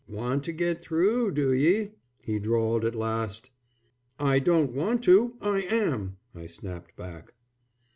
"Want to git through do ye?" he drawled at last. "I don't want to, I am," I snapped back.